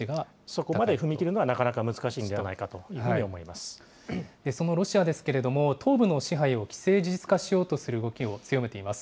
そこまで踏み切ることはなかなか難しいのではないかというふそのロシアですけれども、東部の支配を既成事実化しようとする動きを強めています。